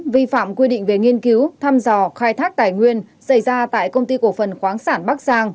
vi phạm quy định về nghiên cứu thăm dò khai thác tài nguyên xảy ra tại công ty cổ phần khoáng sản bắc giang